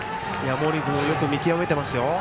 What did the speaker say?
毛利君もよく見極めていますよ。